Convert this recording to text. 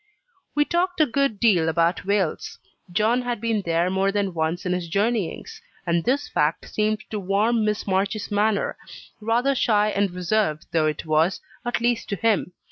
We talked a good deal about Wales; John had been there more than once in his journeyings; and this fact seemed to warm Miss March's manner, rather shy and reserved though it was, at least to him.